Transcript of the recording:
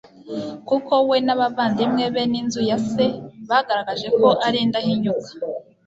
kuko we, n'abavandimwe be, n'inzu ya se bagaragaje ko ari indahinyuka